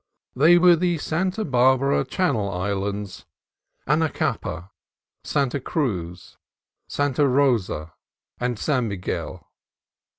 They were the Santa Barbara Channel Is lands, Anacapa, Santa Cruz, Santa Rosa, and San Miguel.